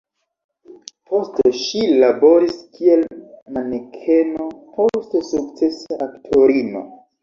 Poste ŝi laboris kiel manekeno, poste sukcesa aktorino.